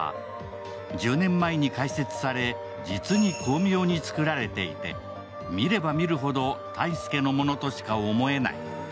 １０年前に開設され実に巧妙に作られていて見れば見るほど泰介のものとしか思えない。